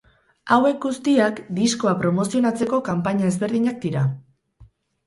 Hauek guztiak diskoa promozionatzeko kanpaina ezberdinak dira.